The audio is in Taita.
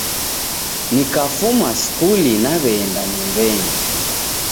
Nikafuma skuli naw'eenda nyumbenyi